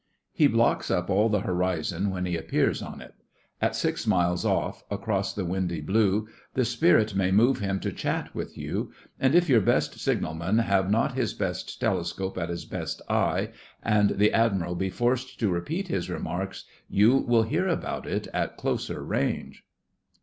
He blocks up all the horizon when he appears on it. At six miles off, across the windy blue, the spirit may move him to chat with you, and if your best signalman have not his best telescope at his best eye, and the Admiral be forced to repeat his remarks, you will hear about it at closer range.